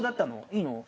いいの？